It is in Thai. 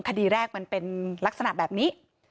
คดีแรกมันเป็นลักษณะแบบนี้